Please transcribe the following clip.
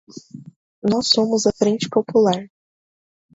Nós somos a Frente Popular!